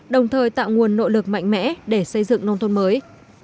đồng thời tạo nguồn nội lực mạnh mẽ để xây dựng nông thôn mới